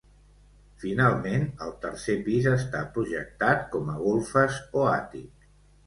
Finalment, el tercer pis, està projectat com a golfes o àtic.